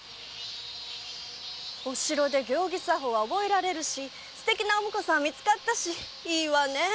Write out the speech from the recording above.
お城で行儀作法は覚えられるし素敵なお婿さんは見つかったしいいわねえ